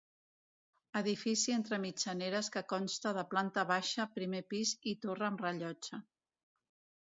Edifici entre mitjaneres que consta de planta baixa, primer pis i torre amb rellotge.